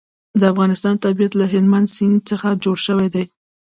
د افغانستان طبیعت له هلمند سیند څخه جوړ شوی دی.